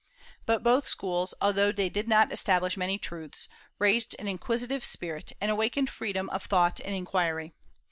But both schools, although they did not establish many truths, raised an inquisitive spirit, and awakened freedom of thought and inquiry.